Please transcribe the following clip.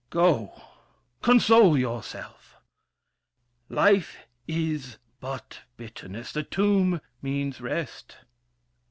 Go! console yourself! Life is but bitterness, the tomb means rest.